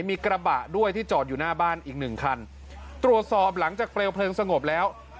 มีกระบะด้วยที่จอดอยู่หน้าบ้านอีกหนึ่งคันตรวจสอบหลังจากเปลวเพลิงสงบแล้ว